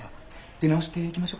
出直してきましょうか？